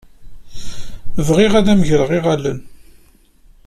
Bɣiɣ ad am-greɣ iɣallen.